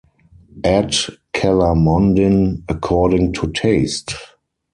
Add calamondin according to taste.